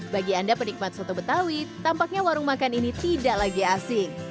bagi anda penikmat soto betawi tampaknya warung makan ini tidak lagi asing